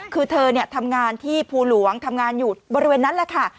คือเธอทำงานที่ภูหลวงทำงานอยู่บริเวณนั้นแหละค่ะ